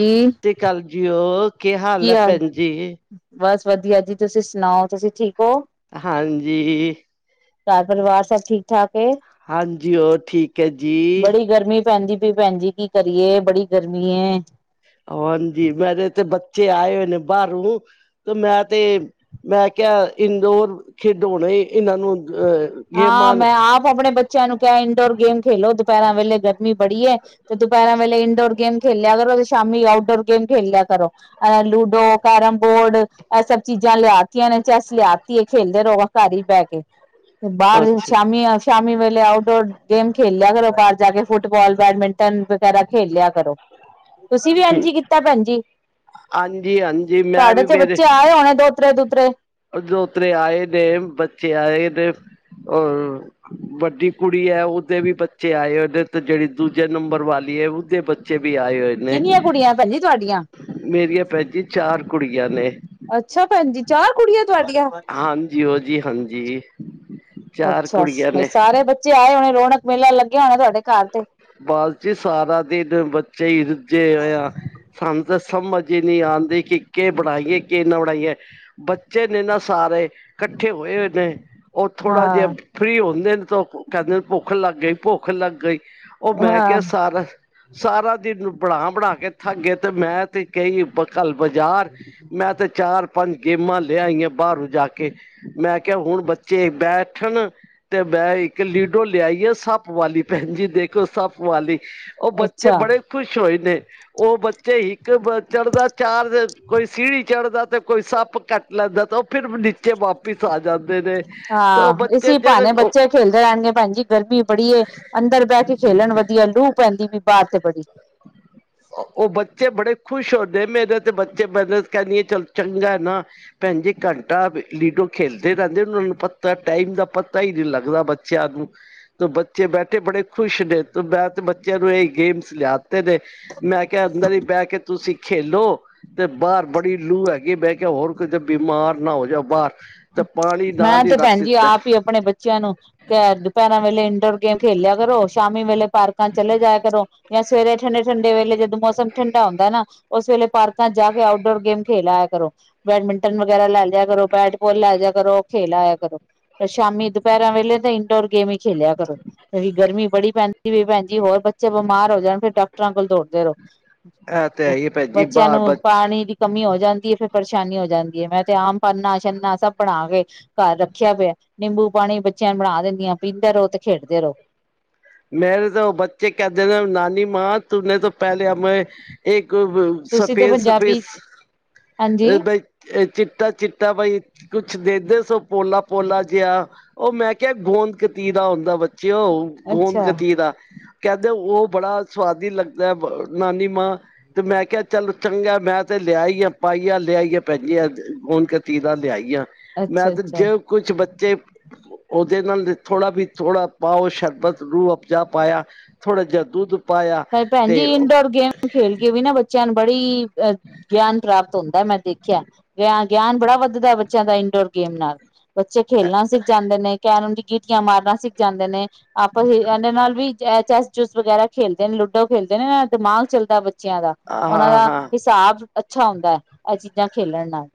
ਈ ਜੀ ਕਾਲ ਜੀਓ ਕੀ ਹਾਲ ਏ ਭੈਣ ਜੀ? ਬਸ, ਵਧੀਆ ਜੀ। ਤੁਸੀਂ ਸੁਨਾਓ, ਤੁਸੀਂ ਠੀਕ ਹੋ? ਹਾਂਜੀ ਘਰ, ਪਰਿਵਾਰ ਸਭ ਠੀਕ ਠਾਕ ਐ? ਹਾਂਜੀ ਹੋਰ ਠੀਕ ਹੈ ਜੀ ਬੜੀ ਗਰਮੀ ਪੈਂਦੀ ਪੀ, ਭੈਣਜੀ। ਕੀ ਕਰੀਏ ਬੜੀ ਗਰਮੀ ਐ! ਹੋਂਜੀ, ਮੇਰੇ ਤੇ ਬੱਚੇ ਆਏ ਹੋਏ ਨੇ ਬਾਹਰੋਂ‌। ਤੇ ਮੈਂ ਤੇ ਮੈਂ ਕਿਹਾ, ਇੰਨਦੋਰ ਖੇਡੋਣੇ ਇਹਨਾਂ ਨੂੰ ਅਹ ਹਾਂ ਮੈਂ ਆਪ ਆਪਣੇ ਬੱਚਿਆਂ ਨੂੰ ਕਿਆ, ਇੰਡੋਰ ਗੇਮ ਖੇਲੋ ਦੁਪਹਿਰਾਂ ਵੇਲੇ, ਗਰਮੀ ਬੜੀ ਏ। ਤੇ ਦੁਪਹਿਰਾਂ ਵੇਲੇ ਇੰਡੋਰ ਗੇਮ ਖੇਲ ਲਿਆ ਕਰੋ ਤੇ, ਸ਼ਾਮੀ ਆਊਟਡੋਰ ਗੇਮ ਖੇਲ ਲਿਆ ਕਰੋ। ਅਹ ਲੂਡੋ, ਕੈਰਮ ਬੋਰਡ ਐ ਸਭ ਚੀਜ਼ਾਂ ਲਿਆਤੀਆਂ ਨੇ, ਚੈਸ ਲਿਆਤੀਏ ਖੇਲਦੇ ਰਹੋਾਂ ਘਰ ਹੀ ਬਹਿ ਕੇ ਤ ਬਾਹਰ ਅੱਛਾ ਸ਼ਾਮੀ ਅਹ ਸ਼ਾਮੀ ਵੇਲੇ ਆਊਟਡੋਰ ਗੇਮ ਖੇਲ ਲਿਆ ਕਰੋ। ਬਾਹਰ ਜਾ ਕੇ ਫੁਟਬਾਲ, ਬੈਡਮਿੰ ਟੈਨਟ ਵਗ਼ੈਰਾ ਖੇਲ ਲਿਆ ਕਰੋਂ। ਤੁਸੀਂ ਵੀ ਐਝ ਠੀਕ ਈ ਕੀਤਾਂ ਭੈਣਜੀ। ਹਾਂਜੀ ਹਾਂਜੀ ਮੈਂ ਤਾਡੇ ਵੀ ਤੇ ਮੇਰੇ ਬੱਚੇ ਆਏਂ ਹੋਨੇ ਦੋਤ੍ਰੇ-ਦੂਤਰੇ। ਦੋਤਰੇ ਆਏ ਦੇ, ਬੱਚੇ ਆਏ ਦੇ‌ ਓ ਵੱਡੀ ਕੁੜੀ ਏ, ਉਹਦੇ ਵੀ ਬੱਚੇ ਆਏ‌ ਉਦੇ ਤੇ ਜਿਹੜੀ ਦੂਜੇ ਨੰਬਰ ਵਾਲ਼ੀ ਏ ਉਦੇ ਬੱਚੇ ਚੇ ਵੀ ਆਏ ਹੋਏ ਨੇ। ਕਿੰਨੀਆਂ ਕੁੜੀਆਂ ਭੈਣ ਜੀ ਤੁਹਾਡੀਆਂ ਮੇਰੀਆਂ ਭੈਣਜੀ ਚਾਰ ਕੁੜੀਆਂ ਨੇ ਅੱਛਾ, ਭੈਣਜੀ। ਚਾਰ ਕੁੜੀਆਂ ਤੁਹਾਡੀਆਂ ਹਾਂਜੀ ਓ ਜੀ ਹਾਂਜੀ ਚਾਰ ਕੁੜੀਆਂ ਅੱਛਾ‌। ਨੇ ਸਾਰੇ ਬੱਚੇ ਆਏ ਹੋਏ ਰੌਣਕ ਮੇਲਾ ਲੱਗਿਆ ਹੋਣਾ ਤੁਹਾਡੇ ਘਰ ਤੇ। ਬਸ ਜੀ, ਸਾਰਾ ਦਿਨ ਬੱਚੇ ਹੀ ਰੁਝੇ ਹੋਏ ਆ। ਸਾਨੂੰ ਤਾਂ ਸਮਝ ਈ ਨੀ ਆਂਦੀ ਕਿ ਕੇ ਬਣਾਈਏ, ਕੇ ਨਾ ਬਣਾਈਏ। ਬੱਚੇ ਨੇ ਨਾ ਸਾਰੇ ਕੱਠੇ ਹੋਏ ਹੋਏ ਨੇ। ੳ ਥੋੜਾਂ ਜਿਆ ਹਾਂ ਫਰੀ ਹੁੰਦੇ ਨੇਂ ਤੇ ੳ ਕੈਂਦੇ ਨੇ ਭੋਖ ਲੱਗ ਗਈਂ, ਭੋਖ ਲੱਗ ਗਈਂ। ੳ ਮੈਂ ਹਾਂ ਕਿਆ ਸਾਰਾਂ-ਸਾਰਾਂ ਦਿਨ ਬਣਾਂ ਬਣਾਂ ਕੇ ਥੱਕ ਗੇ ਤੇ ਮੈਂ ਤੇ ਕਈ ਬ ਕੱਲ ਬਜ਼ਾਰ, ਮੈਂ ਤੇ ਚਾਰ ਪੰਜ ਗੇਮਾਂ ਲੇ ਆਈਂ ਆ ਬਾਰੋਂ ਜਾਂ ਕੇ। ਮੈਂ ਕੇਆ ਹੁਣ ਬੱਚੇ ਬੈਠਣ ਤੇ ਮੈਂ ਏਕ ਲੀਡੋ ਲਿਆਈ ਆ ਸੱਪ ਵਾਲ਼ੀ ਭੈਣਜੀ ਦੇਖ ਸੱਪ ਵਾਲ਼ੀ, ੳ ਬੱਚੇ ਅੱਛਾ ਬੜੇ ਖੁਸ਼ ਹੋਏ ਨੇਂ। ੳ ਬੱਚੇ ਇੱਕ ਬ ਚੜ੍ਹਦਾ, ਚਾਰ ਕੋਈ ਸੀੜੀ ਚੜਦਾ ਤੇ, ਕੋਈ ਸੱਪ ਕੱਟ ਲੈਂਦਾਂ ਤਾਂ ੳ ਫ਼ਿਰ ਨੀਚੇ ਵਾਪਿਸ ਆ ਜਾਨ। ਹਾਂ ਇਸੀ ਭਾਨੇ ਬੱਚੇ ਖੇਲਦੇ ਰੈਨਗੇ ਭੈਣਜੀ ਗਰਮੀਂ ਬੜੀ ਏਂ। ਅੰਦਰ ਬੈ ਕੇ ਖੇਲਣ ਵਧੀਆ, ਲੂਹ ਪੈਂਦੀ ਪਈ ਬਾਰ ਤੇ ਬੜੀ। ੳ ਬੱਚੇ ਬੜੇ ਖ਼ੁਸ਼ ਹੁੰਦੇ ਮੇਰੇ ਤੇ ਬੱਚੇ ਮੱਦਦ ਕਰਨੀ ਚੱਲ ਚੰਗ਼ਾ ਏ ਨਾ। ਭੈਣਜੀ ਘੰਟਾਂ ਲੀਡੋ ਖੇਲਦੇ ਰੈਂਦੇਂ ਨੇ ਉਨਾਂ ਨੂੰ ਪਤਾਂ ਟਾਇਮ ਦਾ ਪਤਾਂ ਈ ਨੀਂ ਲੱਗਦਾ ਬ ਚਿਆਂ ਨੂੰ। ਤੋਂ ਬੱਚੇ ਬੈਠੇਂ ਬੜੇ ਖੁਸ਼ ਨੇਂ, ਤੇ ਮੈਂ ਤੇ ਬੱਚਿਆਂ ਨੂੰ ਏ ਗੇਮਸ ਲ਼ਿਆ ਤੇ ਨੇਂ। ਮੈਂ ਕਿਆ ਅੰਦਰ ਈ ਬੈ ਕੇ ਤੁਸੀਂ। ਖੇਲੋ ਤੇ ਬਾਰ ਬੜੀ ਲੂ ਹੈਗੀ ਏ, ਮੈਂ ਕਿਆ ਹੋਰ ਕਿਤੇ ਬਿਮਾਰ ਨਾ ਹੋ ਜਾਓ ਬਾਰ। ਤਾਂ ਪਾਣੀਂ। ਮੈਂ ਤੇ ਭੈਣਜੀ ਆਪ ਈ ਆਪਣੇਂ ਬੱਚਿਆਂ ਨੂੰ ਐਂ ਦੁਪਹਿਰਾਂ ਵੇਲ਼ੇ ਇੰਡੋਰ ਗੇਮ ਖੇਲ ਲਿਆ ਕਰੋ। ਸ਼ਾਮੀ ਵੇਲ਼ੇ ਪਾਰਕਾਂ ਚ ਚਲੇਂ ਜਾਆ ਕਰੋਂ। ਜਾਂ ਸਵੇਰੇ ਠੰਡੇ-ਠੰਡੇ ਵੇਲ਼ੇ ਜਦੋਂ ਮੌਸਮ ਠੰਡਾ ਹੁੰਦਾਂ ਐਂ ਨਾ ਉਸ ਵੇਲ਼ੇ ਪਾਰਕਾਂ ਚ ਜਾਂ ਕੇ ਆਊਟ ਡੋਰ ਗੇਮ ਖੇਲ ਆਇਆਂ ਕਰੋਂ, ਬੈਡਮਿੰਟਨ ਵਗ਼ੈਰਾ ਲੈ ਜਿਆ ਕਰੋਂ, ਬੈਟਬੋਲ ਲੈ ਜਿਆ ਕਰੋਂ। ਖੇਲ ਆਇਆਂ ਕਰੋਂ। ਪਰ ਸ਼ਾਮੀਂ ਦੁਪੈਰਾਂ ਵੇਲ਼ੇ ਤੇ ਇੰਡੋਰ ਗੇਮ ਈ ਖੇਲਿਆ ਕਰੋਂ। ਬੜੀ ਗਰਮੀਂ ਬੜੀ ਪੈਂਦੀ ਪਈ ਭੈਣਜੀ। ਹੋਰ ਬੱਚੇ ਬਿਮਾਰ ਹੋ ਜਾਂਣ, ਫੇਰ ਡਾਕਟਰਾਂ ਕੋਲ ਦੋੜਦੇ ਰੳ। ਇਹ ਤੇ ਹੈ ਹੀ ਭੈਣ ਜੀ ਬੱਚਿਆਂ ਬਾਹਰ ਨੂੰ ਬੱਚ ਪਾਣੀਂ ਦੀ ਕਮੀਂ ਹੋ ਜਾਂਦੀ ਏ ਫੇਰ ਪਰੇਸ਼ਾਨੀ ਹੋ ਜਾਂਦੀ ਏ। ਮੈਂ ਤੇ ਆਮ ਪਨਾ ਛਨਾ ਸਭ ਬਣਾਕੇ ਘਾਰ ਰੱਖਿਆਂ ਪੇਆ। ਨਿੰਬੂ ਪਾਣੀਂ ਬੱਚਿਆਂ ਨੂੰ ਬਣਾਂ ਦਿੰਦੀ ਆਂ ਪੀਂਦੇ ਰੳ ਤੇ ਖੇਡਦੇ ਰੳ। ਮੇਰੇ ਤਾਂ ੳ ਬੱਚੇ ਕੈਂਦੇ ਨੇਂ ਨਾਨੀ ਮਾਂ ਤੁੰਨੇ ਤੋਂ ਪੈਲੇ ਹਮੇ ਏਕ ਤੁਸੀਂ ਤੇ ਸਪੇਸ ਪੰਜਾਬੀ ਸਪੇਸ ਅ ਹਾਂਜੀ ਬਈ ਚਿੱਟਾ-ਚਿੱਟਾ ਬਾਈ ਕੁੱਛ ਦੇਂਦੇ ਸੋ ਪੋਲਾਂ-ਪੋਲਾਂ ਜਿਆ। ੳ ਮੈਂ ਕਿਆ ਗੋਂਦ ਕਤੀਰਾ ਹੁੰਦਾਂ ਬੱਚਿਓ, ਗੋਂਦ ਅੱਛਾ ਕਤੀਰਾ। ਕੈਂਦੇ ੳ ਬੜਾਂ ਸੁਵਾਦੀ ਲੱਗਦਾ ਬ ਨਾਨੀ ਮਾਂ। ਤੇ ਮੈਂ ਕਿਆ ਚੱਲ ਚੰਗ਼ਾ ਮੈਂ ਤੇ ਲਿਆਈਂ ਆ ਪਾਇਆਂ ਲਿਆਈ ਆਂ ਭੈਣਜੀ ਗੂੰਦ ਕਤੀਰਾ ਲਿਆਈਂ ਆਂ। ਮੈਂ ਅੱਛਾ ਤੇ ਅੱਛਾ ਜੇ ਕੁੱਛ ਬੱਚੇ ਉਦੇ ਨਾਲ ਥੋੜਾਂ ਵੀ ਥੋੜਾਂ ਪਾਓ ਸ਼ਰਬਤ ਰੂਹ ਅਬਜਾ ਪਾਆ, ਥੋੜਾਂ ਜੇਆ ਦੁੱਧ ਪਾਇਆ ਪਰ ਭੈਣਜੀ ਤੇ ਇੰਨਡੋਰ ਗੇਮ ਖੇਲ ਕੇ ਵੀ ਨਾ ਬੱਚਿਆਂ ਨੂੰ ਬੜੀ ਅਹ ਗਿਆਨ ਪ੍ਰਾਪਤ ਹੁੰਦੈ ਮੈਂ ਦੇਖਿਆ। ਗਿਆ ਗਿਆਨ ਬੜਾਂ ਵੱਧਦਾ ਬੱਚਿਆਂ ਦਾ ਇੰਡੋਰ ਗੇਮ ਨਾਲ। ਬੱਚੇ ਖੇਲਨਾ ਸਿਖ ਜਾਂਦੇ ਨੇਂ, ਕੈਰਮ ਦੀ ਗੀਟੀਆਂ ਮਾਰਨਾਂ ਸਿਖ ਜਾਂਦੇਂ ਨੇਂ। ਆਪਸ ਵਿੱਚ ਏਂਨਾ ਦੇ ਨਾਲ ਵੀ ਚੈਸ ਚੂਸ ਵਗ਼ੈਰਾ ਖੇਲ ਜੇੜੇ ਲੂਡੋ ਖੇਲਦੇ ਨੇ, ਦਿਮਾਗ ਚੱਲਦਾ ਬੱਚਿਆਂ ਦਾ। ਉਨਾਂ ਹਾਂ ਦਾ ਹਾਂ ਹਿਸ ਹਿਸਾਬ ਅੱਛਾ ਹੁੰਦੈ, ਐ ਚੀਜ਼ਾਂ ਖੇਲਣ ਨਾਲ।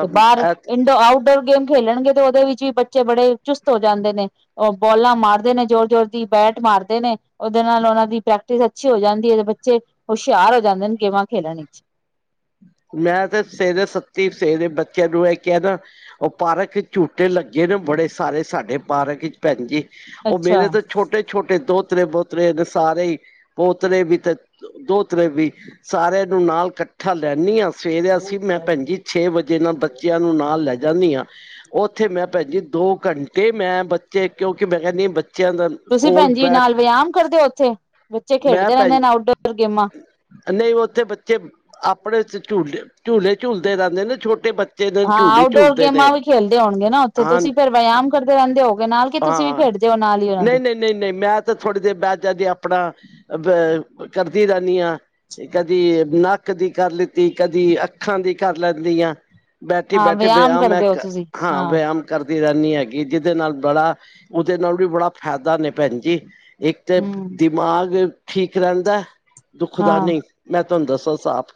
ਤੇ ਬਾਰ ਇੰਡੋ ਆਊਟਡੋਰ ਗੇਮ ਖੇਲਣਗੇ ਤੇ ਓਦੇ ਵਿੱਚ ਵੀ ਬੱਚੇ ਬੜੇ ਚੁਸਤ ਹੋ ਜਾਂਦੇ ਨੇ। ਔ ਬੋਲਾਂ ਮਾਰਦੇ ਨੇ ਜ਼ੋਰ-ਜੋੋਰ ਦੀ, ਬੈਟ ਮਾਰਦੇ ਨੇ ਓਦੇ ਨਾਲ ਉਹਨਾਂ ਦੀ ਪ੍ਰੈਕਟਿਸ ਅੱਛੀ ਹੋ ਜਾਂਦੀ ਏ ਤੇ ਬੱਚੇ ਹੁਸ਼ਿਆਰ ਹੋ ਜਾਂਦੇ ਨੇ, ਗੇਮਾਂ ਖੇਡਣ ਇੱਚ। ਮੈਂ ਤੇ ਸਵੇਰੇ, ਸੱਤੀ ਸਵੇਰੇ ਬੱਚਿਆਂ ਨੂੰ ਐ ਕਿਆ ਨਾ ਔ ਪਾਰਕ 'ਚ ਝੂਟੇ ਲੱਗੇ ਨੇ ਬੜੇ ਸਾਰੇ, ਸਾਡੇ ਪਾਰਕ 'ਚ ਭੈਣ ਜੀ, ਉਹ ਅੱਛਾ। ਮੇਰੇ ਤੋਂ ਛੋਟੇ ਛੋਟੇ ਦੋਹਤਰੇ-ਬੋਤਰੇ ਨੇ ਸਾਰੇ ਈ, ਪੋਤਰੇ ਵੀ ਤੇ ਦੋਤਰੇ ਵੀ, ਸਾਰਿਆਂ ਨੂੰ ਨਾਲ ਕੱਠਾ ਲੈਨੀਂ ਆਂ। ਫੇਰ ਅਸੀਂ, ਮੈਂ ਭੈਣ ਜੀ ਛੇ ਵਜੇ ਨਾ, ਬੱਚਿਆਂ ਨੂੰ ਨਾਲ ਲੈ ਜਾਂਨੀ ਆਂ। ਉੱਥੇ ਮੈਂ ਭੈਣ ਜੀ ਦੋ ਘੰਟੇ, ਮੈਂ ਬੱਚੇ ਕਿਉਂਕਿ, ਮੈਂ ਕਹਿਨੀ ਬੱਚਿਆਂ ਦਾ ਤੁਸੀਂ ਕੋਲ ਭੈਣ ਜੀ ਬੈਠ ਨਾਲ ਵਿਆਮ ਕਰਦੇ ਉੱਥੇ? ਬੱਚੇ ਮੈਂ ਖੇਡਦੇ ਭੈਣ ਰਹਿੰਦੇ ਨੇ ਆਊਟਡੋਰ ਗੇਮਾਂ। ਨਹੀਂ, ਉੱਥੇ ਬੱਚੇ ਬੜੇ 'ਚ ਝੂਲਦੇ ਆ, ਝੂਲੇ ਹਾਂ, ਆਊਟਡੋਰ ਝੂਲਦੇ ਗੇਮਾਂ ਨੇ ਵੀ ਖੇਲਦੇ ਹੋਣਗੇ ਨਾ ਉੱਥੇ। ਹਾਂ ਤੁਸੀਂ ਫੇਰ ਵਿਆਮ ਕਰਦੇ ਰਹਿੰਦੇ ਹੋਵੋਗੇ ਨਾਲ, ਕਿ ਤੁਸੀਂ ਵੀ ਖੇਡਦੇ ਓ ਨਾਲ ਈ ਨਹੀਂ-ਨਹੀਂ, ਨਹੀਂ-ਨਹੀਂ, ਮੈਂ ਤੇ ਥੋੜ੍ਹੀ ਦੇਰ ਬੈ ਜਾਨੀ, ਆਪਣਾ ਅ ਬ ਕਰਦੀ ਰੈਂਨੀ ਆਂ। ਤੇ ਕਦੀ ਨੱਕ ਦੀ ਕਰ ਲਿੱਤੀ, ਕਦੀ ਅੱਖਾਂ ਦੀ ਕਰ ਲੈਂਦੀ ਆਂ। ਹਾਂ ਬੈਠੀ-ਬੈਠੀ ਵਿਆਮ ਮੈਂ ਕਰਦੇ ਹੋ ਕਰ, ਤੁਸੀਂ ਹਾਂ ਵਿਆਮ ਕਰਦੀ ਰੈਂਨੀ ਹੈਗੀ। ਜਿਹਦੇ ਨਾਲ ਬੜਾ, ਉਹਦੇ ਨਾਲ ਵੀ ਬੜਾ ਫ਼ੈਦਾ ਨੇ ਭੈਣ ਜੀ। ਏਕ ਤੇ ਹੂੰ ਦਿਮਾਗ ਠੀਕ ਰਹਿੰਦਾ, ਦੁਖਦਾ ਹਾਂ। ਨਹੀਂ ਮੈਂ ਤੁਹਾਨੂੰ ਦੱਸਾਂ ਸਾਫ਼।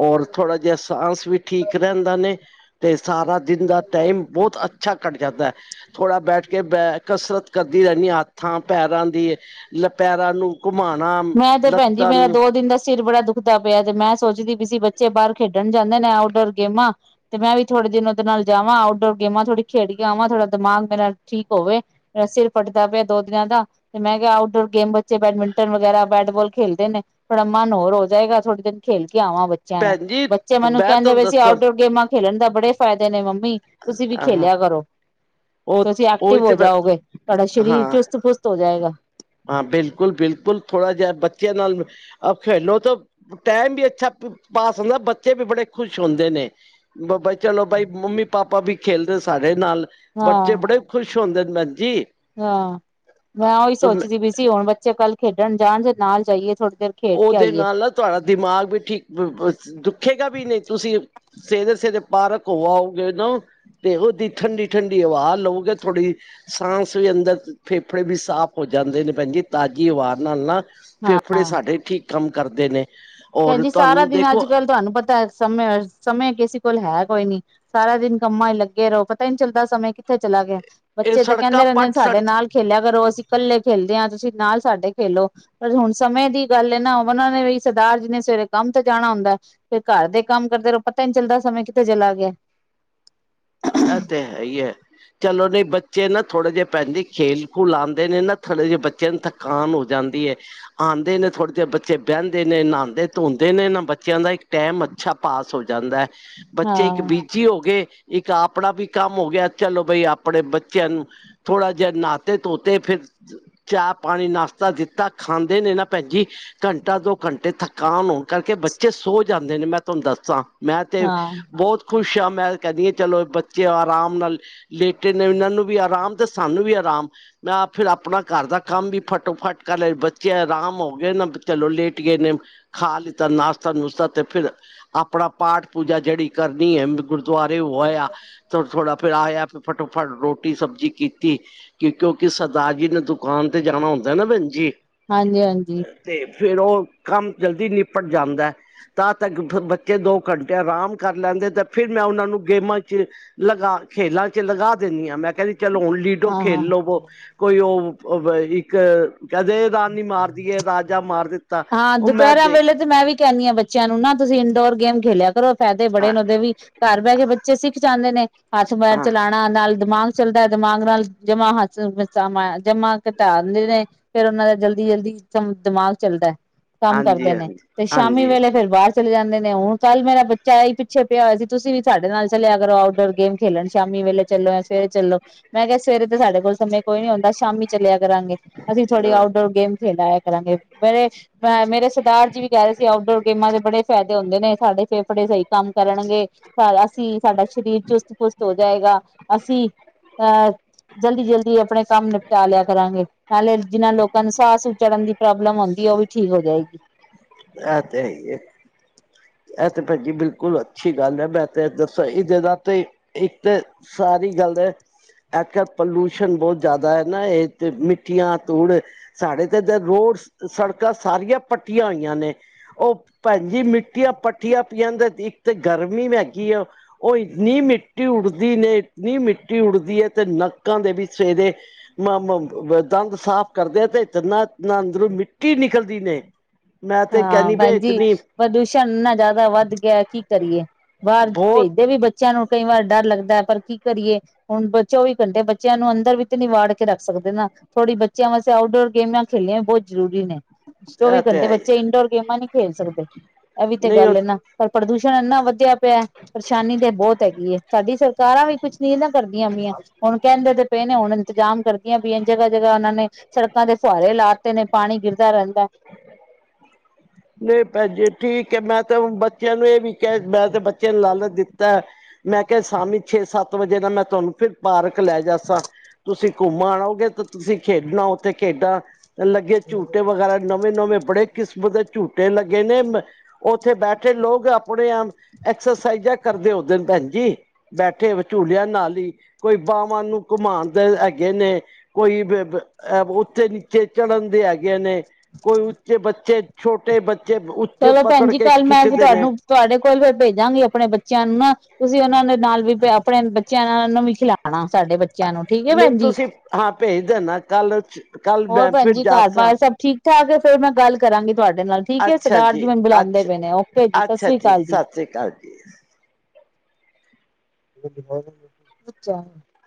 ਹੋਰ ਥੋੜ੍ਹਾ ਜਿਹਾ ਸਾਂਸ ਵੀ ਠੀਕ ਰੈਂਦਾ ਨੇ। ਤੇ ਸਾਰਾ ਦਿਨ ਦਾ ਟਾਈਮ ਬਹੁਤ ਅੱਛਾ ਕੱਟ ਜਾਂਦਾ। ਥੋੜਾ ਬੈਠ ਕੇ ਬੈ ਕਸਰਤ ਕਰਦੀ ਰੈਂਨੀਂ ਆਂ, ਹੱਥਾਂ-ਪੈਰਾਂ ਦੀ, ਲੱ ਪੈਰਾਂ ਨੂੰ ਘੁਮਾਣਾ ਮੈਂ ਤੇ ਭੈਣ ਜੀ, ਲੱਤਾਂ ਮੇਰਾ ਨੂੰ ਦੋ ਦਿਨ ਦਾ ਸਿਰ ਬੜਾ ਦੁੱਖ ਖਦਾ ਪਿਆ ਤੇ ਮੈਂ ਸੋਚਦੀ ਪੀ ਸੀ, ਬੱਚੇ ਬਾਹਰ ਖੇਡਣ ਜਾਂਦੇ ਨੇ, ਆਊਟਡੋਰ ਗੇਮਾਂ ਤੇ ਮੈਂ ਵੀ ਥੋੜੇ ਦਿਨ ਓਦੇ ਨਾਲ ਜਾਵਾਂ, ਆਊਟਡੋਰ ਗੇਮਾਂ ਥੋੜ੍ਹੀ ਖੇਡ ਕੇ ਆਵਾਂ। ਥੋੜਾ ਦਿਮਾਗ ਮੇਰਾ ਠੀਕ ਹੋਵੇ। ਮੇਰਾ ਸਿਰ ਫੱਟਦਾ ਪਿਆ ਦੋ ਦਿਨਾਂ ਦਾ ਤੇ ਮੈਂ ਕਿਹਾ ਆਊਟਡੋਰ ਗੇਮ ਚੇ ਬੈਡਮਿੰਟਨ ਵਗੈਰਾ, ਬੈਟ-ਬੋਲ ਖੇਲਦੇ ਨੇ। ਥੋੜਾ ਮਨ ਹੋਰ ਹੋ ਜਾਏਗਾ, ਥੋੜੀ ਦਿਨ ਖੇਲ ਕੇ ਆਵਾਂਗੇ। ਬੱਚਿਆਂ ਨਾ। ਭੈਣ ਜੀ ਬੱਚੇ ਮੈਨੂੰ ਮੈਂ ਕਹਿੰਦੇ ਤੁਹਾਨੂੰ ਪੇ ਸੀਂ, ਦੱਸਾਂ ਆਊਟਡੋਰ ਗੇਮਾਂ ਖੇਲਣ ਦਾ ਬੜੇ ਫ਼ਾਇਦੇ ਨੇ ਮੰਮੀਂ ਮੀਂ ਤੁਸੀਂ ਵੀ ਹਾਂ ਖੇਲਿਆ ਕਰੋ। ਉਹ ਤੁਸੀਂ ਉਹੀ ਐਕਟਿਵ ਤੇ ਹੋ ਜਾਓਗੇ, ਤੁਆਡਾ ਸਰੀਰ ਹਾਂ ਚੁਸਤ- ਫੁਸਤ ਹੋ ਜਾਏਗਾ। ਹਾਂ, ਬਿਲਕੁਲ-ਬਿਲਕੁਲ, ਥੋੜਾ ਜਿਆ ਬੱਚਿਆਂ ਨਾਲ ਅ ਖੇਲੋ ਤੇ ਟੈਮ ਵੀ ਅੱਛਾ ਪ-ਪਾਸ ਹੁੰਦਾ, ਬੱਚੇ ਵੀ ਬੜੇ ਖੁਸ਼ ਹੁੰਦੇ ਨੇ। ਬ-ਬ‌ਈ, ਚਲੋ ਬਈ, ਮੰਮੀ ਪਾਪਾ ਵੀ ਖੇਲਦੇ ਸਾਰੇ ਨਾਲ, ਬੱਚੇ ਹਾਂ ਬੜੇ ਖੁਸ਼ ਹੁੰਦੇ ਨੇ ਜੀ। ਹਾਂ, ਮੈਂ ਓਹੀ ਸੋਚਦੀ ਪਈ ਸੀ, ਹੁਣ ਬੱਚੇ ਕੱਲ੍ਹ ਖੇਡਣ ਜਾਣਗੇ ਨਾਲ ਜਾਈਏ ਥੋੜ੍ਹੀ ਦੇਰ ਖੇਡ ਕੇ ਓਦੇ ਆਈਏ ਨਾਲ ਨਾ ਤੁਹਾਡਾ ਦਿਮਾਗ ਵੀ ਠੀਕ ਬ-ਬ ਦੁਖੇਗਾ ਵੀ ਨਹੀਂ। ਤੁਸੀਂ ਸਵੇਰੇ-ਸਵੇਰੇ ਪਾਰਕ ਘੁੰਮ ਆਓਗੇ ਨਾ ਤੇ ਓਦੀ ਦੀ ਠੰਡੀ-ਠੰਡੀ ਹਵਾ ਲਵੋਗੇ ਥੋੜ੍ਹੀ ਸਾਂਸ ਵੀ ਅੰਦਰ, ਫੇਫੜੇ ਵੀ ਸਾਫ਼ ਹੋ ਜਾਂਦੇ ਨੇ ਭੈਣ ਜੀ, ਤਾਜ਼ੀ ਹਵਾ ਨਾਲ ਨਾ ਹਾਂ ਫੇਫੜੇ ਸਾਡੇ ਠੀਕ ਕੰਮ ਕਰਦੇ ਨੇ। ਭੈਣ ਔਰ ਜੀ ਸਾਰਾ ਤੁਹਾਨੂੰ ਦਿਨ ਦੇਖੋ ਅੱਜ-ਕੱਲ੍ਹ ਤੁਹਾਨੂੰ ਪਤਾ ਸਮੇਂ ਅਸ ਸਮੇਂ ਕਿਸੇ ਕੋਲ਼ ਹੈ ਕੋਈ ਨੀ। ਸਾਰਾ ਦਿਨ ਕੰਮਾਂ 'ਚ ਲੱਗੇ ਰਹੋ, ਪਤਾ ਈ ਨਹੀਂ ਚੱਲਦਾ ਸਮੇਂ ਕਿੱਥੇ ਚਲਾ ਗਿਆ। ਇਹ ਬੱਚੇ ਤੇ ਕਹਿੰਦੇ ਸੜਕਾਂ ਰਹਿੰਦੇ ਨੇ ਪੱਟ ਸਾਡੇ ਸੜ ਨਾਲ ਖੇਲਿਆ ਕਰੋ। ਅਸੀਂ ਕੱਲੇ ਖੇਲਦੇ ਦਾ, ਤੁਸੀਂ ਨਾਲ ਸਾਡੇ ਖੇਲੋ। ਪਰ ਹੁਣ ਸਮੇਂ ਦੀ ਗੱਲ ਏ ਨਾ। ਓਨਾਂ ਨੇ ਵੀ ਸ ਦਾਰ ਜੀ ਨੇ ਸਵੇਰੇ ਕੰਮ ਤੇ ਜਾਣਾ ਹੁੰਦਾ। ਫੇਰ ਘਰ ਦੇ ਕੰਮ ਕਰਦੇ ਰੋ, ਪਤਾ ਨੀ ਚੱਲਦਾ ਸਮੇਂ ਕਿੱਥੇ ਚਲਾ ਗਿਆ। [inaudible] ਐ ਤੇ ਹੈ ਈ ਐ। ਚਲੋ, ਜੇ ਬੱਚੇ ਨਾ ਥੋੜੇ ਜੇ ਪੇਲੀ ਖੇਲ-ਖੂਲ ਆਂਦੇ ਨੇ ਨਾ ਥੋੜੇ ਜੇ ਬੱਚਿਆਂ ਨੂੰ ਥਕਾ ਕਾਨ ਹੋ ਜਾਂਦੀ ਐ। ਆਂਦੇ ਨੇ, ਥੋੜੇ ਦੇਰ ਬੱਚੇ ਬੈਂਹਦੇ ਨੇ, ਨਾਂਦੇ-ਧੋਂਦੇ ਨੇ ਨਾ ਬੱਚਿਆਂ ਦਾ ਇੱਕ ਟੈਮ ਅੱਛਾ, ਪਾਸ ਹੋ ਜਾਂਦਾ ਐ, ਬੱਚੇ ਹਾਂ ਇੱਕ ਬਿਜੀ ਹੋ ਗੇ ਇੱਕ ਆਪਣਾ ਵੀ ਕੰਮ ਹੋ ਗਿਆ, ਚਲੋ ਬਈ ਆਪਣੇ ਬੱਚਿਆਂ ਨੂੰ ਥੋੜਾ ਜਿਆ ਨਾਤੇ-ਧੋਤੇ ਫਿਰ ਚਾਹ, ਪਾਣੀ, ਨਾਸ਼ਤਾ ਦਿੱਤਾ, ਖਾਂਦੇ ਨੇ ਨਾਂ ਭੈਣ ਜੀ ਘੰਟਾ, ਦੋ ਘੰਟੇ ਥਕਾਨ ਹੋਣ ਕਰਕੇ ਬੱਚੇ ਸੋ ਜਾਂਦੇ ਨੇ ਮੈਂ ਤੁਆਨੂੰ ਦੱਸਾਂ। ਮੈਂ ਤੇ ਹਾਂ ਬੋਤ ਖੁਸ਼ ਹਾਂ, ਮੈਂ ਕੈਅਣੀ ਏ ਚਲੋ, ਬੱਚੇ ਆਰਾਮ ਨਾਲ ਲੇਟੇ ਨੇ, ਇਨ੍ਹਾਂ ਨੂੰ ਵੀ ਆਰਾਮ ਤੇ ਸਾਨੂੰ ਵੀ ਆਰਾਮ। ਮੈਂ ਫਿਰ ਆਪਣਾ ਘਰ ਦਾ ਕੰਮ ਵੀ ਫਟੋ-ਫਟ ਕਰ ਲੈ ਬੱਚੇ ਆਰਾਮ ਹੋ ਗਏ, ਨਾ ਚਲੋ ਲੇਟ ਗਏ ਨੇ। ਖਾ ਲਿੱਤਾ ਨਾਸ਼ਤਾ-ਨੁਸ਼ਤਾ ਤੇ ਫਿਰ ਆਪਣਾ ਪਾਠ-ਪੂਜਾ ਜੇੜੀ ਕਰਨੀ ਐ ਮ ਗੁਰਦੁਆਰੇ ਹੋਇਆ। ਥੋੜਾ ਫਿਰ ਆਇਆ ਫਟੋ-ਫਟ ਰੋਟੀ ਸਬਜ਼ੀ ਕੀਤੀ। ਕਿਉ ਕਿਉਂਕਿ ਸਰਦਾਾਰ ਜੀ ਨੇ ਦੁਕਾਨ ਤੇ ਜਾਣਾ ਹੁੰਦਾ ਨਾ ਭੈਣ ਜੀ। ਹਾਂਜੀ-ਹਾਂਜੀ। ਤੇ ਫਿਰ ਉਹ ਕੰਮ ਜਲਦੀ ਨਿਪਟ ਜਾਂਦਾ। ਤਦ ਤੱਕ ਬੱਚੇ ਦੋ ਘੰਟੇ ਆਰਾਮ ਕਰ ਲੈਂਦੇ ਤੇ ਫਿਰ ਮੈਂ ਉਨ੍ਹਾਂ ਨੂੰ ਗੇਮਾਂ ਚ ਲਗਾ ਖੇਲਾਂ ਚ ਲਗਾ ਦਿੰਣੀ ਆਂ। ਮੈਂ ਕੈਹਣੀ ਚਲੋ ਹੁਣ ਲਿਡੋ ਹਾਂ ਖੇਲ ਹਾਂ ਲੋਵੋ। ਕੋਈ ਓ ਓਵ ਇੱਕ। ਕਦੇ ਰਾਨੀ ਮਾਰਦੀਏ ਰਾਜਾ ਮਾਰ ਦਿੱਤਾ। ਹਾਂ ਉਹ ਮੈਂ ਦੁਪਹਿਰਾਂ ਦੇ ਖ ਵੇਲੇ ਤੇ ਮੈਂ ਵੀ ਕੈਣੀ ਆਂ ਬੱਚਿਆਂ ਨੂੰ ਨਾ ਤੁਸੀਂ ਇੰਨਡੋਰ ਗੇਮ ਖੇਲਿਆ ਕਰੋ, ਫੈਦੇ ਬੜੇ ਹਾਂ ਨੇ ਓਦੇ ਵੀ ਘਰ ਬੈਅ ਕੇ ਬੱਚੇ ਸਿੱਖ ਜਾਂਦੇ ਨੇ। ਹੱਥ ਪੈਰ ਚਲਾਣਾ, ਨਾਲ ਦਿਮਾਗ ਚੱਲਦਾ, ਦਿਮਾਗ ਨਾਲ ਜਮਾ ਹੱਥ ਜਾ ਮਾਂ ਜਮਾਂ ਘਟਾ ਦਿੰਦੇ ਨੇ, ਫਿਰ ਓਨ੍ਹਾਂ ਦਾ ਜਲਦੀ-ਜਲਦੀ ਦ ਦਿਮਾਗ ਚੱਲਦੈ। ਕੰਮ ਕਰਦੇ ਹਾਂਜੀ ਨੇ ਹਾਂਜੀ ਤੇ ਸ਼ਾਮੀ ਹਾਂਜੀ ਵੇਲੇ ਫੇਰ ਬਾਰ ਚਲੇ ਜਾਂਦੇ ਨੇ ਹੁਣ ਕੱਲ ਮੇਰਾ ਬੱਚਾ ਆਇਆ ਹੀ ਪਿੱਛੇ ਪਿਆ ਔਇਆ ਸੀ ਤੁਸੀਂ ਵੀ ਸਾਡੇ ਨਾਲ ਚੱਲਿਆ ਕਰੋ, ਆਊਟਡੋਰ ਗੇਮ ਖੇਲਣ ਸ਼ਾਮੀ ਵੇਲੇ ਚੱਲੋ ਐ, ਸਵੇਰੇ ਚੱਲੋ ਮੈਂ ਕਿਆ ਸਵੇਰੇ ਤੇ ਸਾਡੇ ਕੋਲ ਸਮੇਂ ਕੋਈ ਨੀਂ ਹੁੰਦਾ, ਸ਼ਾਮੀ ਚੱਲਿਆ ਕਰਾਂ ਅਸੀਂ ਥੋੜ੍ਹੀ ਹਾਂ ਆਊਟਡੋਰ ਗੇਮ ਖੇਡ ਆਇਆ ਕਰਾਂਗੇ। ਮੇਰੇ ਅ ਮੇਰੇ ਸਰਦਾਰ ਜੀ ਵੀ ਕੈ ਰੇ ਸੀ ਆਊਟਡੋਰ ਗੇਮਾਂ ਦੇ ਬੜੇ ਫੈਦੇ ਹੁੰਦੇ ਨੇ, ਸਾਡੇ ਫੇਫੜੇ ਸਈ ਕੰਮ ਕਰਨਗੇ। ਪਰ ਅਸੀਂ ਸਾਡਾ ਸਰੀਰ ਚੁਸਤ-ਪੁਸਤ ਹੋ ਜਾਏਗਾ, ਅਸੀਂ ਅ ਜਲਦੀ-ਜਲਦੀ ਆਪਣੇ ਕੰਮ ਨਿਪਟਾ ਲਿਆ ਕਰਾਂਗੇ। ਨਾਲੇ ਜਿਨਾਂ ਲੋਕਾਂ ਨੂੰ ਸਾਅ-ਸੂ ਚੜਨ ਦੀ ਪ੍ਰੋਬਲਮ ਹੁੰਦੀ ਐ। ਓ ਵੀ ਠੀਕ ਹੋ ਜਾਏਗੀ। ਐ ਤੇ ਹੈ ਈ ਐ। ਇਹ ਤੇ ਭੈਣ ਜੀ ਬਿਲਕੁਲ ਅੱਛੀ ਗੱਲ ਐ, ਮੈਂ ਤੇ ਅੱਜ ਸਈ ਜ੍ਹਗਾ ਤੇ ਇੱਕ ਸਾਰੀ ਗੱਲ ਅੱਜ-ਕਲ ਪੋਲੂਸ਼ਨ ਬੋਤ ਜ਼ਿਆਦਾ ਐ ਨਾ ਇਹ ਤੇ ਮਿੱਠੀਆਂ ਧੂੜ ਸਾਡੇ ਤੇ ਏਧਰ ਰੋਡ, ਸੜਕਾਂ ਸਾਰੀਆਂ ਪੱਟੀਆਂ ਹੋਈ ਆਂ ਨੇ, ਓ ਭੈਣ ਜੀ ਮਿੱਟੀਆਂ ਭੱਟੀਆਂ ਪਈਆਂ ਨੇ ਤ ਇੱਕ ਤੇ ਗਰਮੀ ਹੇਗੀ ਅ ਓ ਇੰਨੀ ਮਿੱਟੀ ਉੱਡਦੀ ਨੇ, ਇੰਨੀ ਮਿੱਟੀ ਉੱਡਦੀ ਐ ਤੇ ਨੱਕਾਂ ਦੇ ਵੀ ਸਵੇਰੇ ਮਮ ਮ ਦੰਦ ਸਾਫ਼ ਕਰਦੇ ਆ ਤੇ ਜਨਾਂ ਨਾਂ ਅੰਦਰੋਂ ਮਿੱਟੀ ਨਿਕਲਦੀ ਨੇ। ਮੈਂ ਤੇ ਹਾਂ ਕਹਿੰਦੀ ਪ ਭੈਣਜੀ, ਇਤਨੀ ਪ੍ਰਦੂਸ਼ਣ ਇਨਾਂ ਜ਼ਿਆਦਾ ਵੱਧ ਗਿਆ ਕੀ ਕਰੀਏ? ਬਾਰ ਭੇਜ ਬਹੁਤ ਫਿਰ ਵੀ ਬੱਚਿਆਂ ਨੂੰ ਕਈ ਵਾਰ ਡਰ ਲੱਗਦਾ ਐ, ਪਰ ਕੀ ਕਰੀਏ? ਹੁਣ ਬ ਚੌਵੀ ਘੰਟੇ ਬੱਚਿਆਂ ਨੂੰ ਅੰਦਰ ਵੀ ਤੇ ਨੀ ਵਾੜ ਕੇ ਰੱਖ ਸਕਦੇ ਨਾ ਥੋੜੀ ਬੱਚਿਆਂ ਵਾਸਤੇ ਆਊਟਡੋਰ ਗੇਮ ਖੇਲੀਆਂ ਬਹੁਤ ਜ਼ਰੂਰੀ ਨੇ। ਇਹ ਚੌਵੀ ਤੇ ਘੰਟੇ ਹੈ ਹੀ ਬੱਚੇ ਇੰਡੋਰ ਗੇਮਾਂ ਨਹੀਂ ਖੇਲ ਸਕਦੇ। ‌ਇਹ ਵੀ ਤੇ ਨਹੀਂ ਉਹ ਗੱਲ ਨਾ ਪਰ ਪ੍ਰਦੂਸ਼ਣ ਇੰਨਾ ਵਧਿਆ ਪਿਆ। ਪਰੇਸ਼ਾਨੀ ਤੇ ਬਹੁਤ ਹੈਗੀ ਏ। ਸਾਡੀ ਸਰਕਾਰਾਂ ਵੀ ਕੁਝ ਨੀ ਨਾ ਕਰਦੀਆਂ ਪਈਆਂ। ਹੁਣ ਕਹਿੰਦੇ ਤੇ ਪਏ ਨੇ। ਹੁਣ ਇੰਤਜ਼ਾਮ ਕਰਦੀਆਂ ਪਈਆਂ ਜਗ੍ਹਾ- ਜਗ੍ਹਾ ਉਹਨਾਂ ਨੇ ਸੜਕਾਂ ਤੇ ਫੁਹਾਰੇ ਲਾ ਤੇ ਨੇ ਪਾਣੀ ਗਿਰਦਾ ਰਹਿੰਦੈ ਐ। ਨਈ ਭੈਂਜੀ ਠੀਕ ਐ ਮੈਂ ਤਾਂ ਉ ਬੱਚਿਆਂ ਨੂੰ ਇਹ ਵੀ ਕਹਿ ਮੈਂ ਤੇ ਬੱਚਿਆਂ ਨੂੰ ਲਾਲਚ ਦਿੱਤੀ ਤਾ, ਮੈਂ ਕਿਹਾ ਸ਼ਾਮੀ ਛੇ-ਸੱਤ ਵਜੇ ਨਾਂ ਮੈਂ ਤੁਹਾਨੂੰ ਫਿਰ ਪਾਰਕ ਲੈ ਜਾ ਸਾਂ ਤੁਸੀਂ ਘੁੰਮਣ ਆਓਗੇ ਤਾਂ ਤੁਸੀਂ ਖੇਡਣਾ ਉੱਥੇ ਖੇਡਾਂ ਲੱਗੇ ਝੂਟੇ ਵਗੈਰਾ ਨਵੇਂ-ਨਵੇਂ ਬੜੇ ਕਿਸਮ ਦੇ ਝੂਟੇ ਲੱਗੇ ਨੇਂ। ਮੈ ਉੱਥੇ ਬੈਠੇ ਲੋਕ ਆਪਣੇ-ਆਪ, ਐਕਸਰਸਾਈਜ਼ਾਂ ਕਰਦੇ ਹੁੰਦੇ ਨੇਂ ਭੈਣ ਜੀ। ਬੈਠੇ ਝੂਲਿਆਂ ਨਾਲ ਈ, ਕੋਈ ਬਾਹਵਾ ਨੂੰ ਘੁੰਮਾਂਦੇ ਹੈਗੇ ਨੇ। ਕੋਈ ਬ-ਬ-ਅ ਉੱਥੇ ਨੀਚੇ ਚੜ੍ਹਾਦੇ ਹੈਗੇ ਨੇ, ਕੋਈ ਉੱਚੇ ਬੱਚੇ ਛੋਟੇ ਬੱਚੇ ਬ ਉੱਚੇ ਚਲੋ ਭੈਣ ਪਕੜ ਜੀ ਕੇ ਕੱਲ ਮੈਂ ਫਿਰ ਖਿੱਚਦੇ ਨੇਂ। ਤੁਹਾਨੂੰ ਤੁਹਾਡੇ ਕੋਲ ਫੇਰ ਭੇਜਾਂਗੀ ਆਪਣੇ ਬੱਚਿਆਂ ਨੂੰ ਨਾ। ਤੁਸੀਂ ਉਹਨਾਂ ਦੇ ਨਾਲ ਵੀ ਤੇ ਆਪਣੇ ਬੱਚਿਆਂ ਨਾਲ ਨੂੰ ਵੀ ਖਿਲਾਉਣਾ ਸਾਡੇ ਬੱ ਚਿਆਂ ਨੂੰ ਠੀਕ ਐ ਨਹੀਂ ਭੈਣਜੀ, ਤੁਸੀਂ ਹਾਂ ਭੇਜ ਦੇਣਾ ਕੱਲ ਕੱਲ ਹੋਰ ਮੈਂ ਭੈਣ ਫਿਰ ਜੀ ਜਾ ਸਾਂ। ਘਰ-ਬਾਰ ਸਭ ਠੀਕ ਤਾਂ ਆਕੇ ਫੇਰ ਮੈਂ ਗੱਲ ਕਰਾਂਗੀ ਤੁਹਾਡੇ ਨਾਲ ਠੀਕ ਏ, ਸਰਦਾਰ ਜੀ ਮੈਨੂੰ ਬੁਲਾਉਂਦੇ ਪਏ ਨੇ ਓਕੇ ਜੀ ਸਸ੍ਰੀਕਾਲ ਜੀ। ਸਸਰੀ ਕਾਲ ਜੀ। [unintelligible] ਅੱਛਾ।